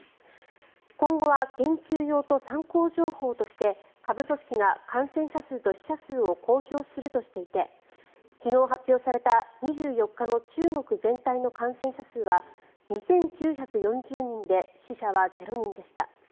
今後は研究用と参考情報として下部組織が感染者数と死者数を公表するとしていて昨日発表された２４日の中国全体の感染者数は２９４０人で死者は０人でした。